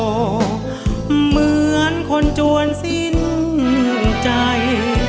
เหมือนคนจวนสิ้นใจ